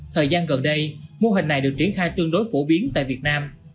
thời gian gần đây mô hình này được triển khai tương đối phổ biến tại việt nam